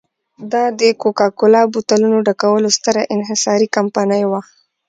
دا د کوکا کولا بوتلونو ډکولو ستره انحصاري کمپنۍ وه.